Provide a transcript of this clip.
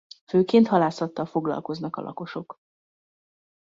Főként halászattal foglalkoznak a lakosok.